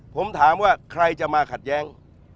ผมถามว่าใครจะมาขัดแย้ง